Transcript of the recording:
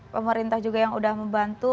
pemerintah juga yang sudah membantu